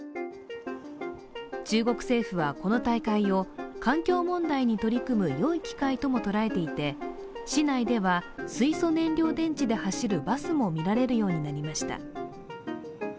中国政府は、この大会を環境問題に取り組むよい機会とも捉えていて市内では水素燃料電池で走るバスも見られるようになりました。